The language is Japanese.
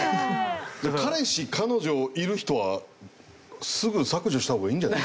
彼氏彼女いる人はすぐ削除した方がいいんじゃない？